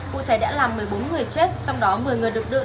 vụ cháy đã làm một mươi bốn người chết trong đó một mươi người được đưa